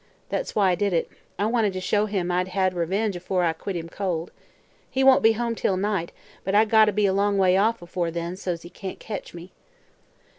That's why I did it; I wanted to show him I'd had revenge afore I quit him cold. He won't be home till night, but I gotta be a long way off, afore then, so's he can't ketch me."